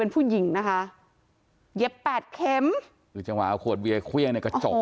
นะฮะเย็บแปดเข็มหรือจะอาจว่าเอาขวดแบรนด์เขววิ้นในกระจก